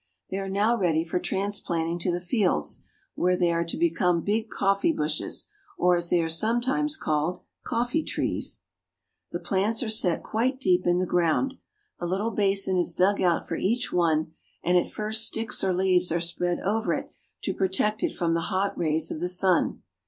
They are now ready for transplanting to the fields, where they are to become big coflfee bushes, or, as they are sometimes called, coiTee trees. Picking Coffee Berries. The plants are set quite deep in the ground. A little basin is dug out for each one, and at first sticks or leaves are spread over it to protect it from the hot rays of the sun.